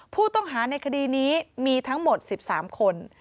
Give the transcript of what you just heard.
ผู้ต้องหาในคดีนี้มีทั้งหมด๑๓คน